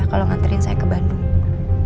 kalau nganterin saya ke bandung